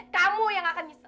kamu yang akan nyesel